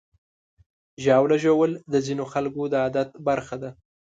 ژاوله ژوول د ځینو خلکو د عادت برخه ده.